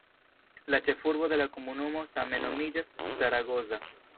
La ĉefurbo de la komunumo same nomiĝas "Zaragoza".